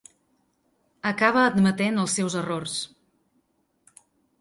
Acaba admetent els seus errors.